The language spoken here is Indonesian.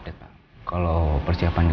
di luar sana